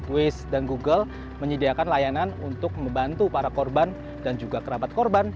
waste dan google menyediakan layanan untuk membantu para korban dan juga kerabat korban